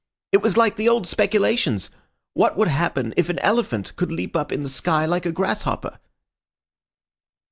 It was like the old speculations—what would happen if an elephant could leap up in the sky like a grasshopper?"